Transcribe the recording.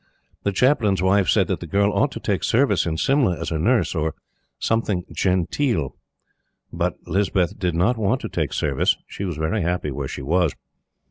The Chaplain's wife said that the girl ought to take service in Simla as a nurse or something "genteel." But Lispeth did not want to take service. She was very happy where she was.